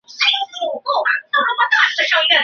法方已经对此进行了通报。